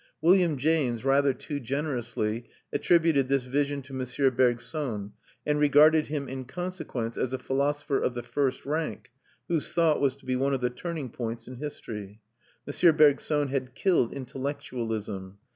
William James, rather too generously, attributed this vision to M. Bergson, and regarded him in consequence as a philosopher of the first rank, whose thought was to be one of the turning points in history. M. Bergson had killed intellectualism.